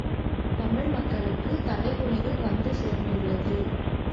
தமிழ் மக்களுக்கு தலை குணிவும் வந்து சேர்ந்துள்ளது.